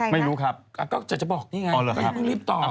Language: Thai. ไม่รู้ครับก็จะบอกนี่ไงก็รีบตอบ